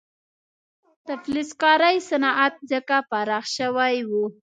د فلزکارۍ صنعت ځکه پراخ شوی و.